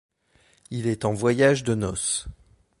Il est en voyage de noces.